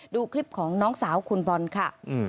ดูคลิปของน้องสาวคุณบอลค่ะ